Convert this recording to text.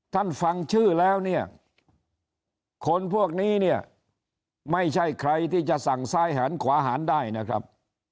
ท่านฟังชื่อแล้วคนพวกนี้ไม่ใช่ใครที่จะสั่งซ้ายหันขวาหันได้นะครับ